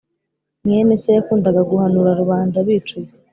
Mwene se yakundaga guhanura rubanda bicuye